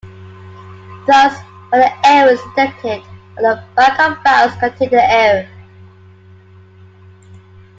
Thus when the error is detected, all the backup files contain the error.